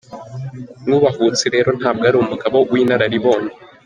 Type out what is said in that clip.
Mwubahutse rero ntabwo ari umugabo w’inararibonye.